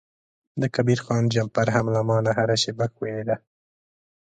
د کبیر خان جمپر هم له ما نه هره شیبه ښویده.